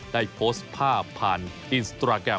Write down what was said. ได้โพสต์ภาพผ่านอินสตราแกรม